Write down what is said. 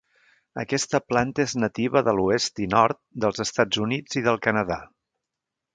Aquesta planta és nativa de l'oest i nord dels Estats Units i del Canadà.